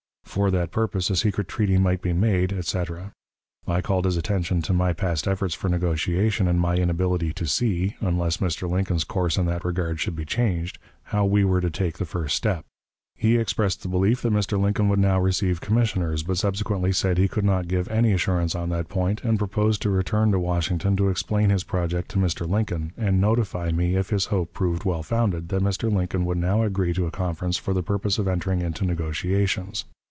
For that purpose a secret treaty might be made, etc. I called his attention to my past efforts for negotiation, and my inability to see unless Mr. Lincoln's course in that regard should be changed how we were to take the first step. He expressed the belief that Mr. Lincoln would now receive commissioners, but subsequently said he could not give any assurance on that point, and proposed to return to Washington to explain his project to Mr. Lincoln, and notify me, if his hope proved well founded, that Mr. Lincoln would now agree to a conference for the purpose of entering into negotiations.